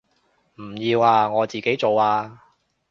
唔要啊，我自己做啊